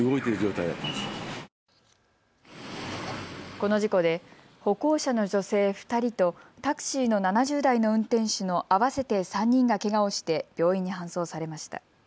この事故で歩行者の女性２人とタクシーの７０代の運転手の合わせて３人がけがをして病院に搬送されました。